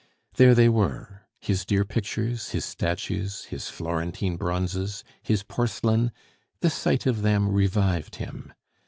There they were his dear pictures, his statues, his Florentine bronzes, his porcelain; the sight of them revived him.